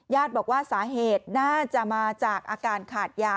บอกว่าสาเหตุน่าจะมาจากอาการขาดยา